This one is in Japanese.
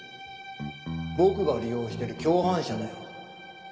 僕が利用してる共犯者だよ。